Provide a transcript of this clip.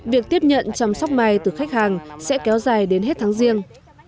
việc tiếp nhận chăm sóc mai từ khách hàng sẽ kéo dài đến hết tháng riêng